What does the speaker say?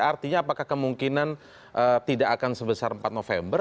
artinya apakah kemungkinan tidak akan sebesar empat november